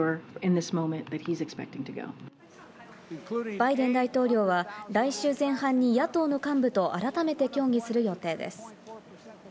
バイデン大統領は来週前半に野党の幹部と改めて協議する予定です。